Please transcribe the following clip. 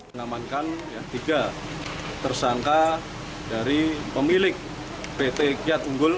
mengamankan tiga tersangka dari pemilik pt kiat unggul